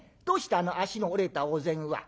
あの脚の折れたお膳は。